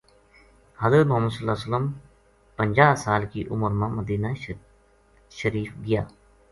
حضرت محمد ﷺ پنجاہ سال کی عمر ما مدینہ شریف گیا۔